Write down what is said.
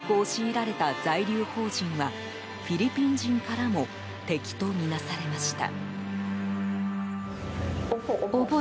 日本軍への戦争協力を強いられた在留邦人はフィリピン人からも敵とみなされました。